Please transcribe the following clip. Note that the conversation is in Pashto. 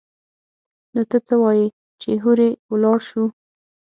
نو ته څه وايي چې هورې ولاړ سو؟